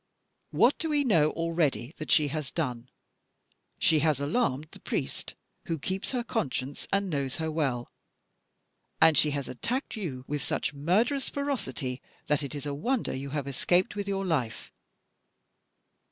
What do we know already that she has done? She has alarmed the priest, who keeps her conscience, and knows her well; and she has attacked you with such murderous ferocity that it is a wonder you have escaped with your life.